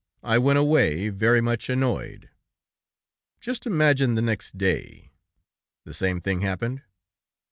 I went away, very much annoyed. Just imagine the next day...." "The same thing happened?"